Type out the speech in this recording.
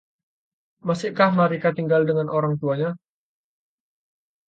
Masihkah Marika tinggal dengan orang tuanya?